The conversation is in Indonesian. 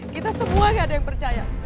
kita semua gak ada yang percaya